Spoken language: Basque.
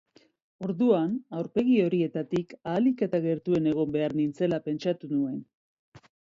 Orduan, aurpegi horietatik ahalik eta gertuen egon behar nintzela pentsatu nuen.